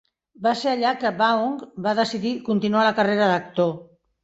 Va ser allà que Vaughn va decidir continuar la carrera d'actor.